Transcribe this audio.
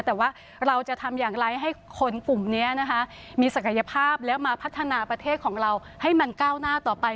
แต่ว่าเราจะทำอย่างไรให้คนกลุ่มนี้นะคะมีศักยภาพแล้วมาพัฒนาประเทศของเราให้มันก้าวหน้าต่อไป